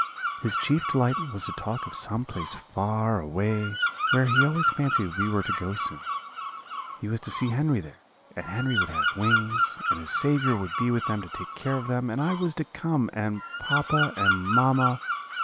"'His chief delight was to talk of some place far away, where he always fancied we were to go soon: he was to see Henry there, and Henry would have wings, and his Saviour would be with them to take care of them, and I was to come, and papa and mamma.